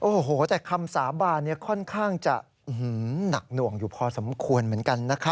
โอ้โหแต่คำสาบานค่อนข้างจะหนักหน่วงอยู่พอสมควรเหมือนกันนะครับ